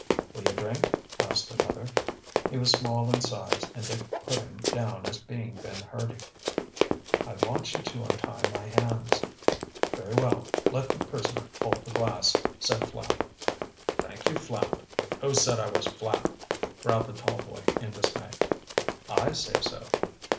"Will you drink?" asked another. He was small in size and Dick put him down as being Ben Hurdy. "I want you to untie my hands." "Very well, let the prisoner hold the glass," said Flapp. "Thank you, Flapp." "Who said I was Flapp?" growled the tall boy, in dismay. "I say so."